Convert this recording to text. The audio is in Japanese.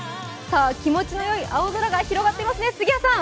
気持ちのよい青空が広がっていますね、杉谷さん。